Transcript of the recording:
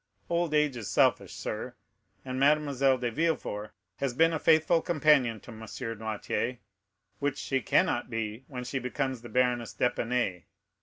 Old age is selfish, sir, and Mademoiselle de Villefort has been a faithful companion to M. Noirtier, which she cannot be when she becomes the Baroness d'Épinay.